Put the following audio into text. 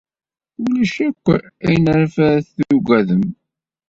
Ulac akk ayen ayɣef ara taggadem.